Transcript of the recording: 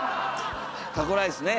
タコライスね。